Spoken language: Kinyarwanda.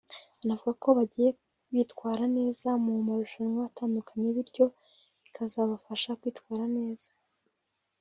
anavuga ko bagiye bitwara neza mu marushanwa atandukanye bityo bikazabafasha kwitwara neza